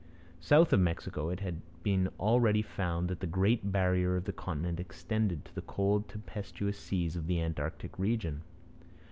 South of Mexico it had been already found that the great barrier of the continent extended to the cold tempestuous seas of the Antarctic region.